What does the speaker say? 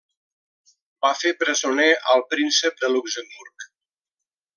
Va fer presoner al Príncep de Luxemburg.